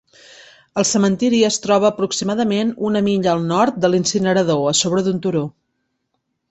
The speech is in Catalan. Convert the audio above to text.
El cementiri es troba aproximadament una milla al nord de l'incinerador a sobre d'un turó.